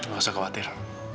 gak usah khawatir